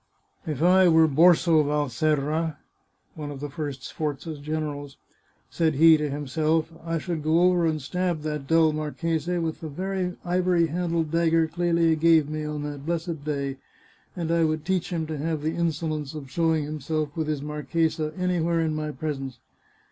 " If I were Borso Valserra " (one of the first Sforza's generals), said he to himself, " I should go over and stab that dull marchese, with the very ivory handled dagger Clelia gave me on that blessed day, and I would teach him to have the insolence of showing himself with his marchesa any where in my presence."